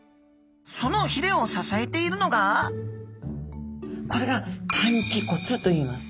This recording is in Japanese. そのひれを支えているのがこれが担鰭骨といいます。